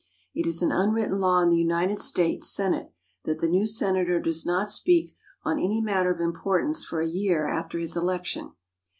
It is an unwritten law in the United States Senate that the new senator does not speak on any matter of importance for a year after his election.